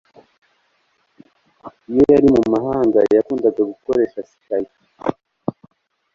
Iyo yari mumahanga yakundaga gukoresha Skype